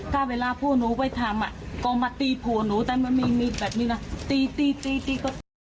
ถ้าเวลาพวกนุ้งไปทำอ่ะก็มาตีผู้นุ้งแต่มันไม่มีแบบนี้นะตีตีตี